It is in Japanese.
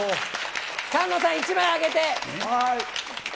菅野さん、１枚あげて。